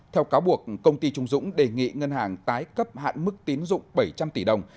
theo cáo buộc công ty trung dũng đề nghị ngân hàng tái cấp hạn mức tín dụng bảy trăm linh tỷ đồng